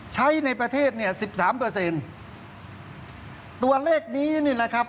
ใช้ในประเทศเนี่ยสิบสามเปอร์เซ็นต์ตัวเลขนี้นี่นะครับ